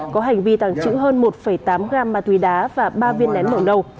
có hành vi tàng trữ hơn một tám gam ma túy đá và ba viên nén màu nâu